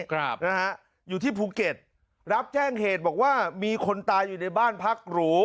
ครับนะฮะอยู่ที่ภูเก็ตรับแจ้งเหตุบอกว่ามีคนตายอยู่ในบ้านพักหรู